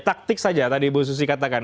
taktik saja tadi bu susi katakan